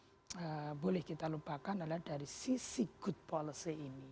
dan yang tidak apa boleh kita lupakan adalah dari sisi good policy ini